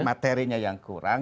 materinya yang kurang